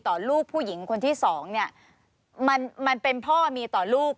ต่อลูกผู้หญิงคนที่สองเนี่ยมันเป็นพ่อมีต่อลูก